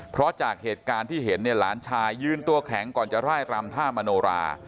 เพราะจากเหตุการณ์ที่เห็นเนี่ยหลานชายยืนตัวแข็งก่อนจะไล่รำท่ามโนรา